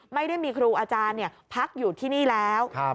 ไม่ได้มีครูอาจารย์พักอยู่ที่นี่แล้ว